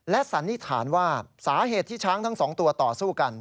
สันนิษฐานว่าสาเหตุที่ช้างทั้งสองตัวต่อสู้กัน